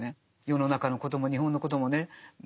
世の中のことも日本のこともね何も語れない。